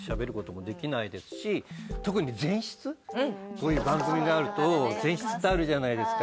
こういう番組があると前室ってあるじゃないですか。